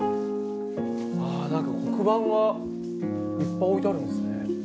あー、なんか黒板がいっぱい置いてあるんですね。